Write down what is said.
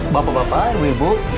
bapak bapak ibu ibu